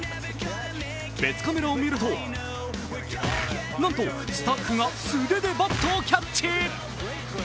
別カメラを見ると、なんとスタッフが素手でバットをキャッチ。